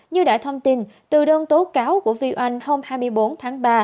như đã thông tin từ đơn tố cáo của viu oanh hôm hai mươi bốn tháng ba